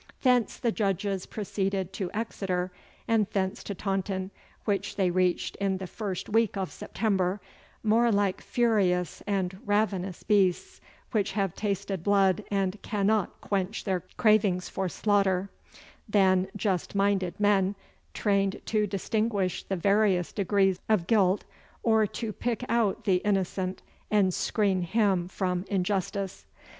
Thence the judges proceeded to Exeter and thence to Taunton, which they reached in the first week of September, more like furious and ravenous beasts which have tasted blood and cannot quench their cravings for slaughter, than just minded men, trained to distinguish the various degrees of guilt, or to pick out the innocent and screen him from injustice.